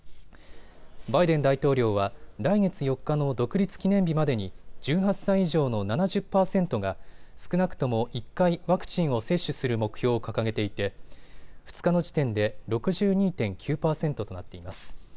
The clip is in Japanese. バイデン大統領は来月４日の独立記念日までに１８歳以上の７０％が少なくとも１回ワクチンを接種する目標を掲げていて２日の時点で６２．９％となっています。